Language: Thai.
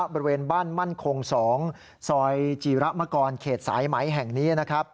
บริเวณบ้านมั่นคง๒ซอยจีระมกรเขตสายไหมแห่งนี้นะครับ